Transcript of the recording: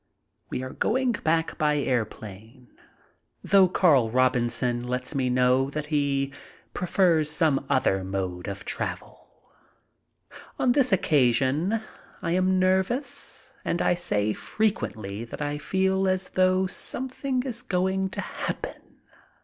We are going back by airplane, though Carl Robinson 138 MY TRIP ABROAD lets me know that he prefers some other mode of travel. On this occasion I am nervous and I say frequently that I feel as though something is going to happen.